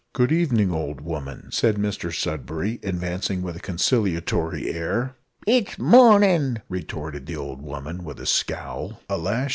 "Good evening, old woman," said Mr Sudberry, advancing with a conciliatory air. "It's mornin'," retorted the old woman with a scowl. "Alas!